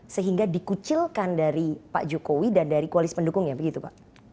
sehingga dikucilkan dari pak jokowi dan dari kualis pendukung ya begitu pak